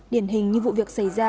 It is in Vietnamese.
điển hình như vụ việc xảy ra